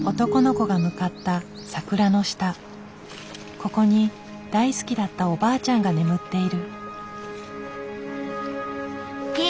ここに大好きだったおばあちゃんが眠っている。